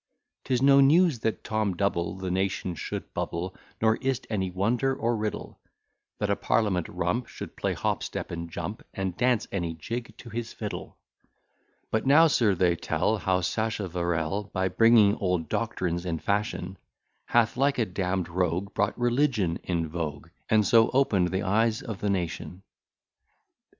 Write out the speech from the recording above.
'Tis no news that Tom Double The nation should bubble, Nor is't any wonder or riddle, That a parliament rump Should play hop, step, and jump, And dance any jig to his fiddle. But now, sir, they tell, How Sacheverell, By bringing old doctrines in fashion, Hath, like a damn'd rogue, Brought religion in vogue, And so open'd the eyes of the nation.